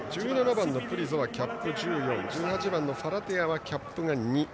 １７番、プリゾはキャップ１４１８番のファラテアはキャップが２。